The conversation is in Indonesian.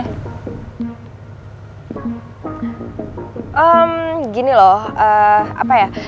ehm gini loh ee apa ya